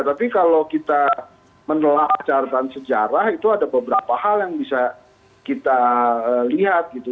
tapi kalau kita menelah catatan sejarah itu ada beberapa hal yang bisa kita lihat gitu